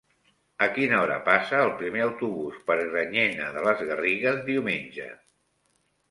A quina hora passa el primer autobús per Granyena de les Garrigues diumenge?